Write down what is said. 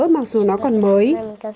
mặc dù nó còn mới